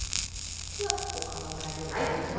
では他の材料を入れていきます。